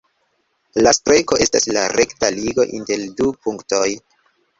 La Streko estas la rekta ligo inter du punktoj.